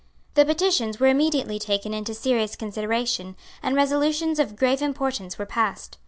The petitions were immediately taken into serious consideration, and resolutions of grave importance were passed.